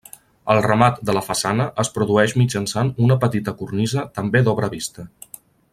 El remat de la façana es produeix mitjançant una petita cornisa també d'obra vista.